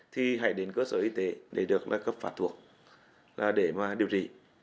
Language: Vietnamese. thì hãy đến cơ sở y tế để được cấp phạt thuộc để mà điều trị